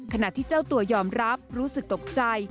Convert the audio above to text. ขณะที่เจ้าตัวยอมรับรู้สึกตกใจ